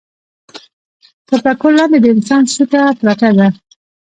تر پکول لاندې د انسان سوټه پرته ده.